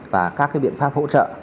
và các biện pháp hỗ trợ